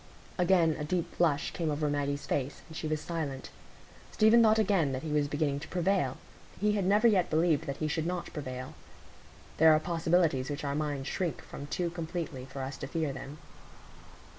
Again a deep flush came over Maggie's face, and she was silent. Stephen thought again that he was beginning to prevail,—he had never yet believed that he should not prevail; there are possibilities which our minds shrink from too completely for us to fear them.